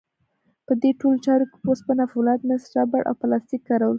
په دې ټولو چارو کې وسپنه، فولاد، مس، ربړ او پلاستیک کارول کېږي.